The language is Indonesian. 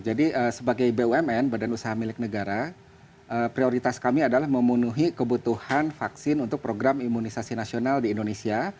jadi sebagai bumn badan usaha milik negara prioritas kami adalah memenuhi kebutuhan vaksin untuk program imunisasi nasional di indonesia